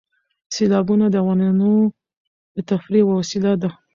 سیلابونه د افغانانو د تفریح یوه وسیله ده.